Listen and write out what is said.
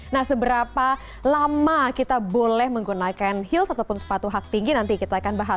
nah seberapa lama kita boleh menggunakan heels ataupun sepatu hak tinggi nanti kita akan bahas